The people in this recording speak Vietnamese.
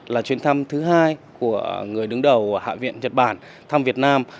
là chuyến thăm thứ hai của người đứng đầu hạ viện nhật bản thăm việt nam